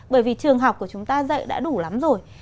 bởi vì trường học của chúng ta dạy đã đủ lắm rồi